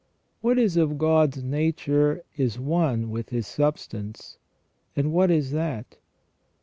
... What is of God's nature is one with His substance, and what is that